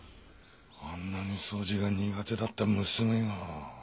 あんなに掃除が苦手だった娘が。